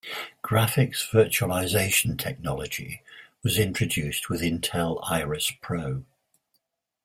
Graphics Virtualization Technology was introduced with Intel Iris Pro.